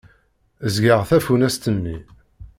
Ẓẓgeɣ tafunast-nni.